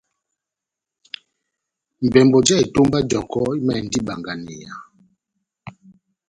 Mbɛmbɔ já etómba jɔkɔ́ imɛndɛndi ibanganiya.